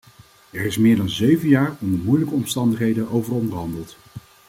Er is meer dan zeven jaar onder moeilijke omstandigheden over onderhandeld.